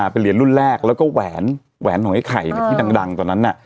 เป็นเหรียญรุ่นแรกแล้วก็แหวนของไอ้ไข่ที่ดังตอนนั้น